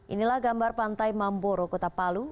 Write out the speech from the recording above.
inilah gambar pantai mamboro kota palu